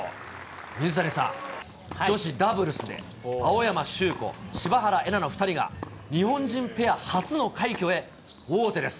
水谷さん、女子ダブルスで、青山修子、柴原瑛菜の２人が日本人ペア初の快挙へ王手です。